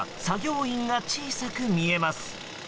作業員が小さく見えます。